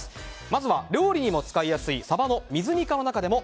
まずは、料理にも使いやすいサバの水煮缶の中でも